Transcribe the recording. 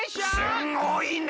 すごいね！